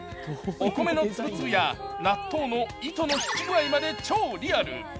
お米の粒々や納豆の糸の引き具合まで超リアル。